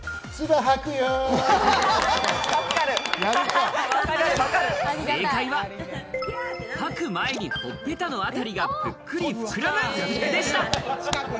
吐く前にほっぺたのあたりがぷっくり膨らむでした。